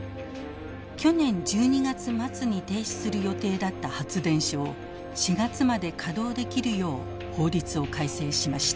去年１２月末に停止する予定だった発電所を４月まで稼働できるよう法律を改正しました。